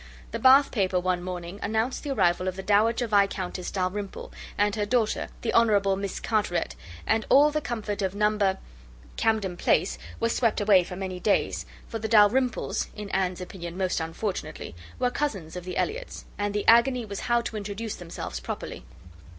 The Bath paper one morning announced the arrival of the Dowager Viscountess Dalrymple, and her daughter, the Honourable Miss Carteret; and all the comfort of No. —, Camden Place, was swept away for many days; for the Dalrymples (in Anne's opinion, most unfortunately) were cousins of the Elliots; and the agony was how to introduce themselves properly.